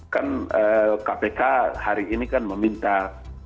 kan kpk hari ini kan meminta